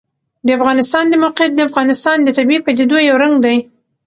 د افغانستان د موقعیت د افغانستان د طبیعي پدیدو یو رنګ دی.